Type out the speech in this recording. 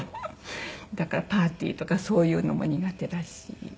だからパーティーとかそういうのも苦手だし。